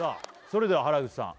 それでは原口さん